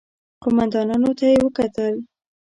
قوماندانانو ته يې وکتل.